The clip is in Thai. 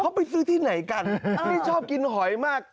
เขาไปซื้อที่ไหนกันนี่ชอบกินหอยมาก